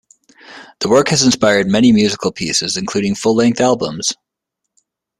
The work has inspired many musical pieces, including full-length albums.